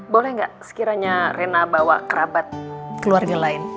boleh nggak sekiranya rena bawa kerabat keluarga lain